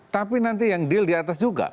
tapi nanti yang deal di atas juga